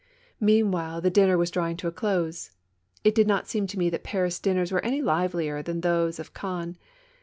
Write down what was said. Meanwhile the dinner was drawing to a close. It did not seem to me that Paris dinners were any livelier than those of Caen.